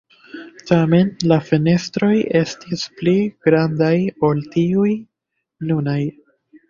Tamen la fenestroj estis pli grandaj ol tiuj nunaj.